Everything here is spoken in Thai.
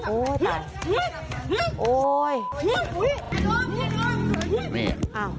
โอ้ยตาย